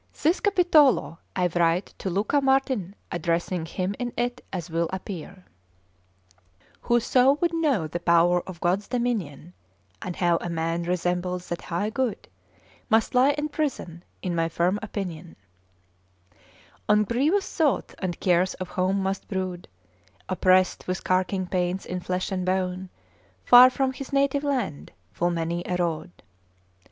THIS CAPITOLO I WRITE TO LUCA MARTIN ADDRESSING HIM IN IT AS WILL APPEAR WHOSO would know the power of God's dominion, And how a man resembles that high good, Must lie in prison, is my firm opinion: On grievous thoughts and cares of home must brood, '' Oppressed with carking pains in flesh and bone, Far from his native land full many a rood.